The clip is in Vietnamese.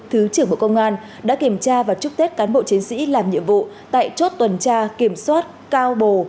thứ trưởng bộ công an đã kiểm tra và chúc tết cán bộ chiến sĩ làm nhiệm vụ tại chốt tuần tra kiểm soát cao bồ